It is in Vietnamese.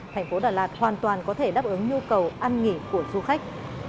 thành phố đà lạt hoàn toàn có thể đáp ứng nhu cầu ăn nghỉ của du khách